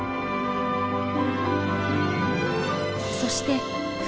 そして冬。